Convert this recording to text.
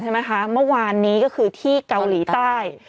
เมื่อวานนี้ก็คือที่เกาหลีใต้